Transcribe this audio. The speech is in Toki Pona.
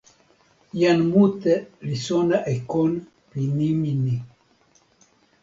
jan mute li sona e kon pi nimi ni.